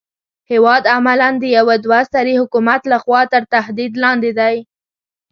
هېواد عملاً د يوه دوه سري حکومت لخوا تر تهدید لاندې دی.